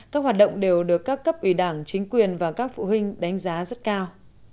các hoạt động đều được các cấp ủy đảng chính quyền và các phụ huynh đánh giá rất cao